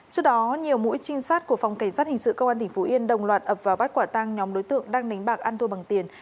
trước đó nhiều mũi trinh sát của phòng cảnh sát hình sự công an tp hcm đồng loạt ập vào bát quả tăng nhóm đối tượng đang đánh bạc ăn thua bằng tiền